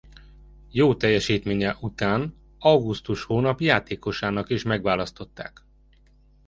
Jól teljesítménye után augusztus hónap játékosának is megválasztották.